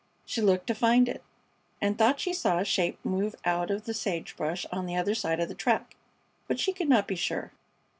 She looked to find it, and thought she saw a shape move out of the sage brush on the other side of the track, but she could not be sure.